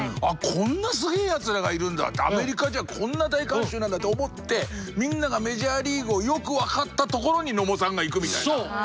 こんなすげえやつらがいるんだってアメリカじゃこんな大観衆なんだって思ってみんながメジャーリーグをよく分かったところに野茂さんが行くみたいなそう！